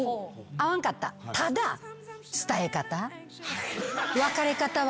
ただ伝え方。